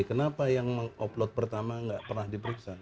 kenapa yang mengupload pertama nggak pernah diperiksa